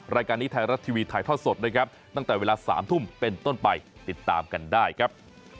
รายการนี้ไทยรัฐทีวีถ่ายทอดสดนะครับตั้งแต่เวลา๓ทุ่มเป็นต้นไปติดตามกันได้ครับ